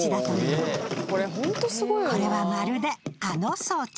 これはまるであの装置。